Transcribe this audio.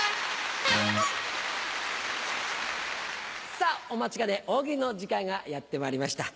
さぁお待ちかね大喜利の時間がやってまいりました。